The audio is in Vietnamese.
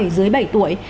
dưới bảy tuổi